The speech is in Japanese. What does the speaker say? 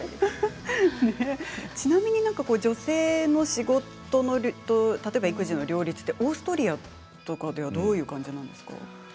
ちなみに女性の仕事と育児の両立はオーストリアではどのような感じなんですか。